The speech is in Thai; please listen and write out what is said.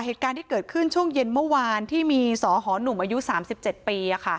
เหตุการณ์ที่เกิดขึ้นช่วงเย็นเมื่อวานที่มีสหหนุ่มอายุ๓๗ปี